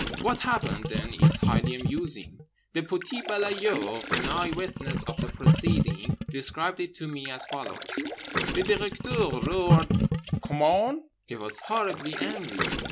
What happened then is highly amusing. The petit balayeur, an eye witness of the proceeding, described it to me as follows: "The Directeur roared 'COMMENT?' He was horribly angry.